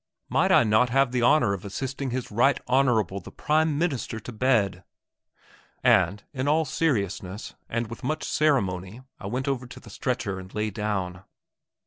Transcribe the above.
Might I not have the honour of assisting his Right Honourable the Prime Minister to bed? And in all seriousness, and with much ceremony I went over to the stretcher and lay down.